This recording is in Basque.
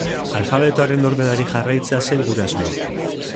Alfabetoaren ordenari jarraitzea zen gure asmoa.